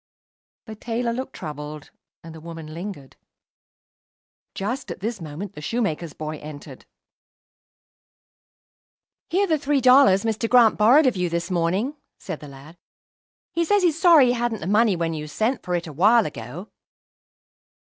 The tailor looked troubled, and the woman lingered. Just at this moment the shoemaker's boy entered. "Here are the three dollars Mr. Grant borrowed of you this morning," said the lad. "He says he's sorry he hadn't the money when you sent for it awhile ago."